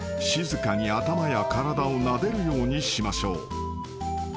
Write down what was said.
静かに頭や体をなでるようにしましょう］